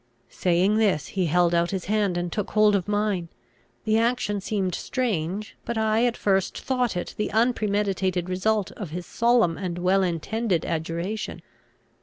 Saying this, he held out his hand and took hold of mine. The action seemed strange; but I at first thought it the unpremeditated result of his solemn and well intended adjuration.